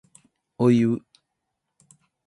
おいう